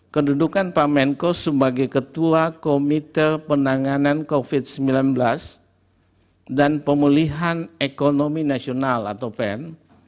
kedudukan pak menko sebagai ketua komite penanganan covid sembilan belas dan pemulihan ekonomi nasional atau pen